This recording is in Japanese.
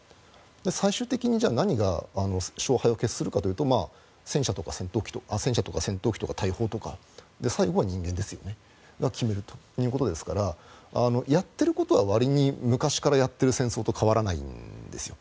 最終的に何が勝敗を決するかというと戦車とか戦闘機とか大砲とか最後は人間が決めるということですかやっていることはわりに昔からやっている戦争と変わらないんですよ。